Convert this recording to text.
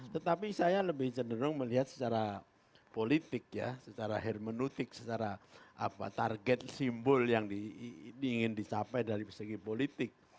tetapi saya lebih cenderung melihat secara politik ya secara hermenutik secara target simbol yang ingin dicapai dari segi politik